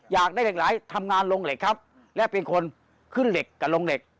อยากได้เหล็กไหลทำงานลงเหล็กครับและเป็นคนขึ้นเหล็กกับลงเหล็ก